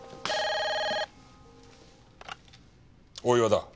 大岩だ。